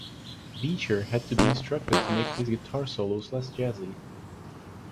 Beecher had to be instructed to make his guitar solos less jazzy.